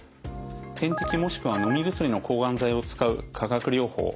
点滴もしくは飲み薬の抗がん剤を使う化学療法。